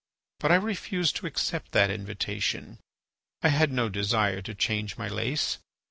But I refused to accept that invitation; I had no desire to change my place.